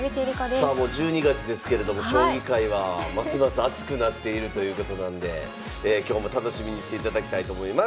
さあもう１２月ですけれども将棋界はますます熱くなっているということなんで今日も楽しみにしていただきたいと思います。